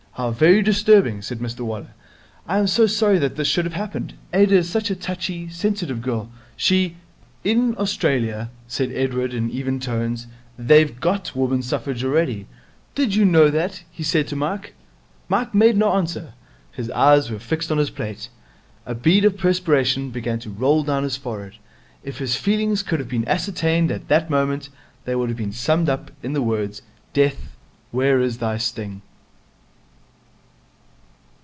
'How very disturbing!' said Mr Waller. 'I am so sorry that this should have happened. Ada is such a touchy, sensitive girl. She ' 'In Australia,' said Edward in even tones, 'they've got Women's Suffrage already. Did you know that?' he said to Mike. Mike made no answer. His eyes were fixed on his plate. A bead of perspiration began to roll down his forehead. If his feelings could have been ascertained at that moment, they would have been summed up in the words, 'Death, where is thy sting?'